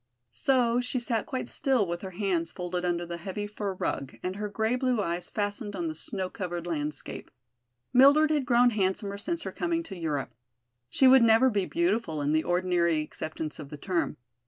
So she sat quite still with her hands folded under the heavy fur rug and her gray blue eyes fastened on the snow covered landscape. Mildred had grown handsomer since her coming to Europe. She would never be beautiful in the ordinary acceptance of the term.